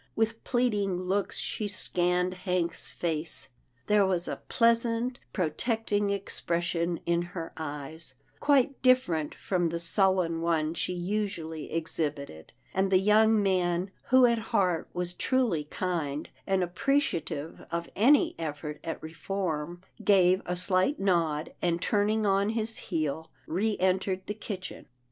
With pleading looks she scanned Hank's face. There was a pleasant pro tecting expression in her eyes, quite different from the sullen one she usually exhibited, and the young man, who at heart was truly kind, and appreciative of any effort at reform, gave a slight nod, and, turn ing on his heel, re entered the kitchen.